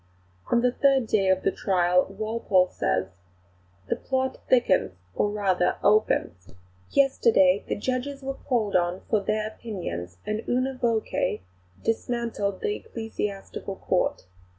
On the third day of the trial Walpole says: "The plot thickens, or rather opens. Yesterday the judges were called on for their opinions, and una voce dismantled the Ecclesiastical Court.